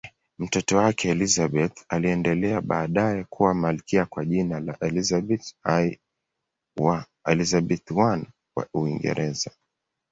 Mtoto wake Elizabeth aliendelea baadaye kuwa malkia kwa jina la Elizabeth I wa Uingereza.